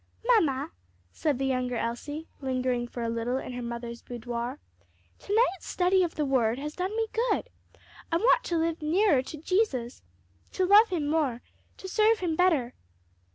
"Mamma," said the younger Elsie, lingering for a little in her mother's boudoir, "to night's study of the word has done me good. I want to live nearer to Jesus, to love him more, to serve him better."